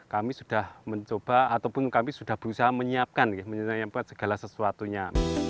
kami sudah mencoba ataupun kami sudah berusaha menyiapkan segala sesuatunya